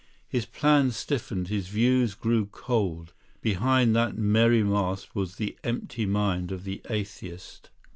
His plans stiffened, his views grew cold; behind that merry mask was the empty mind of the atheist.